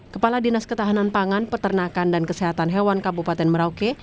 kepala dinas ketahanan pangan peternakan dan kesehatan hewan kabupaten merauke